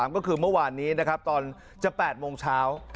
ก็คือเมื่อวานนี้นะครับตอนจะ๘โมงเช้า